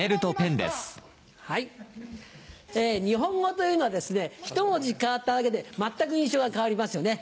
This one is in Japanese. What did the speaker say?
日本語というのはひと文字変わっただけで全く印象が変わりますよね